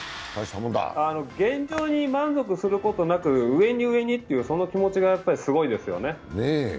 現状に満足することなく上に上にってその気持ちがやっぱり、すごいですよね。